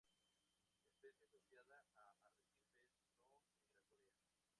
Especie asociada a arrecifes, no migratoria.